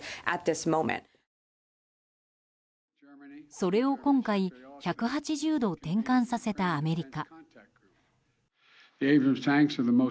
それを今回１８０度転換させたアメリカ。